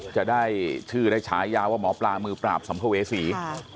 จะได้ชื่อได้ฉายาว่าหมอปลามือปราบสัมภเวษี